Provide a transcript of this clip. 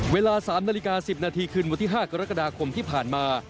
เวลา๓นาฬิกา๑๐นาทีคืนวันที่๕กรกฎาคมที่ผ่านมา